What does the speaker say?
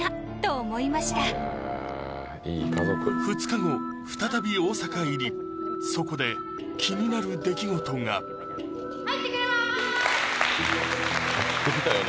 ２日後再び大阪入りそこで気になる出来事が入ってきたよ